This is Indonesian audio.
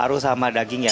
paru sama daging ya